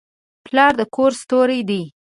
پلار د کور ستوری دی.